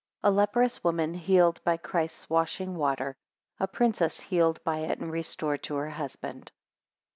A leprous woman healed by Christ's washing water. 7 A princess healed by it and restored to her husband.